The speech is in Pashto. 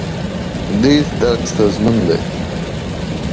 دې درک ستونزمن دی.